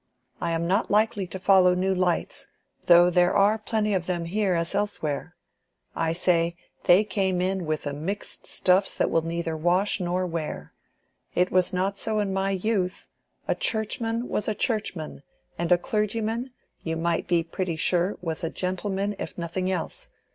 I am not likely to follow new lights, though there are plenty of them here as elsewhere. I say, they came in with the mixed stuffs that will neither wash nor wear. It was not so in my youth: a Churchman was a Churchman, and a clergyman, you might be pretty sure, was a gentleman, if nothing else.